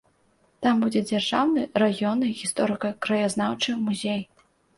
Там будзе дзяржаўны раённы гісторыка-краязнаўчы музей.